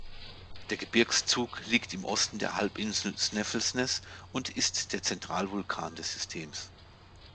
Der Gebirgszug liegt im Osten der Halbinsel Snæfellsnes und ist der Zentralvulkan des Systems.